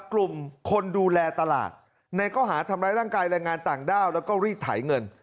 กลุ่มคนดูแลตลาดในข้อหาทำร้ายร่างกายแรงงานต่างด้าวแล้วก็รีดไถเงิน